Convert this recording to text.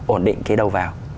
ổn định cái đầu vào